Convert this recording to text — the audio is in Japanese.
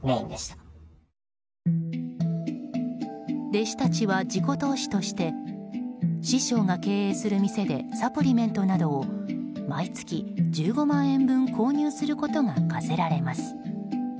弟子たちは自己投資として師匠が経営する店でサプリメントなどを毎月１５万円分購入することが課せられます。